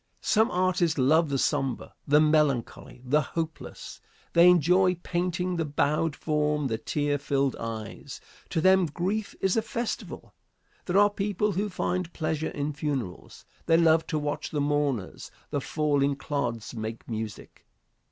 Some artists love the sombre, the melancholy, the hopeless. They enjoy painting the bowed form, the tear filled eyes. To them grief is a festival. There are people who find pleasure in funerals. They love to watch the mourners. The falling clods make music.